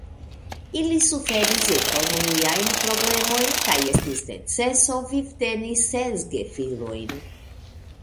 Ili suferis ekonomiajn problemojn, kaj estis neceso vivteni ses gefilojn.